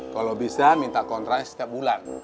kalau bisa minta kontras setiap bulan